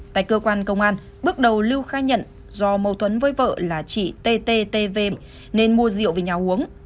tại cơ quan công an bước đầu lưu khai nhận do mâu thuẫn với vợ là chị ttv nên mua rượu về nhà uống